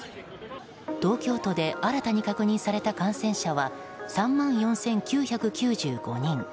東京都で新たに確認された感染者は３万４９９５人。